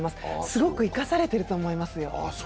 すごく生かされていると思います。